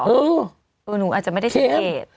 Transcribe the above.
ตัวหนูอาจจะไม่ได้ชนเพศ